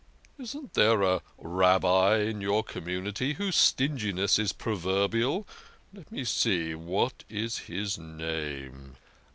" Isn't there a Rabbi in your community whose stinginess is proverbial? Let me see, what's his name?